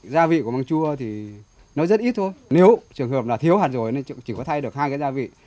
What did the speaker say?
gia vị của măng chua thì nó rất ít thôi nếu trường hợp là thiếu hạt rồi nó chỉ có thay được hai cái gia vị